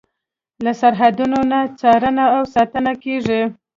له سرحدونو نه څارنه او ساتنه کیږي.